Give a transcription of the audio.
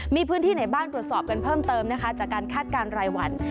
มีพื้นที่ในบ้านไปปรวจสอบเพิ่มเติมนะคะจากคาดการณ์รายหวัน